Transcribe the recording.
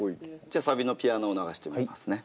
じゃあサビのピアノを流してみますね。